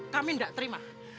kami ndak terima